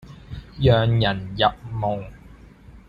讓人入夢